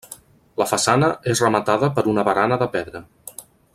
La façana és rematada per una barana de pedra.